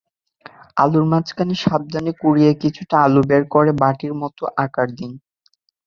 আলুর মাঝখানে সাবধানে কুরিয়ে কিছুটা আলু বের করে বাটির মতো আকার দিন।